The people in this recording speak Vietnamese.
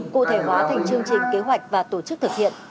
cụ thể hóa thành chương trình kế hoạch và tổ chức thực hiện